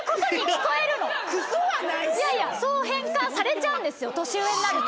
そう変換されちゃう。